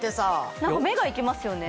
何か目が行きますよね